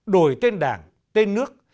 đổi tên đảng tên nước